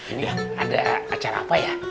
ini ada acara apa ya